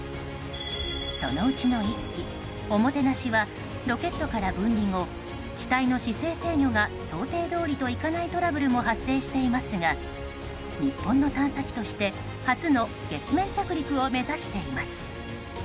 そのうちの１機「ＯＭＯＴＥＮＡＳＨＩ」はロケットから分離後機体の姿勢制御が想定どおりといかないトラブルも発生していますが日本の探査機として初の月面着陸を目指しています。